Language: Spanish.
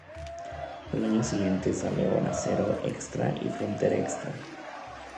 Al año siguiente salen Hora Cero Extra y Frontera Extra.